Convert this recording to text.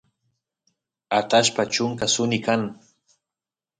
atashpa chunka suni kan